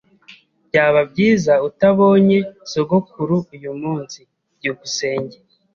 Byaba byiza utabonye sogokuru uyumunsi. byukusenge